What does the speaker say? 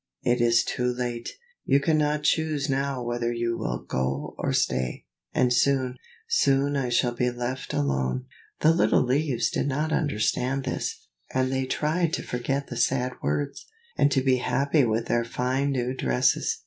it is too late. You cannot choose now whether you will go or stay, and soon, soon I shall be left alone." The little leaves did not understand this, and they tried to forget the sad words, and to be happy with their fine new dresses.